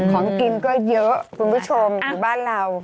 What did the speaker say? ของกินก็เยอะคุณผู้ชมอยู่บ้านเรา